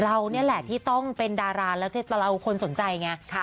เรานี่แหละที่ต้องเป็นดาราแล้วเราคนสนใจไง